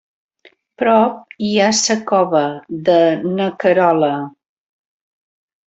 Prop hi ha sa Cova de na Querola.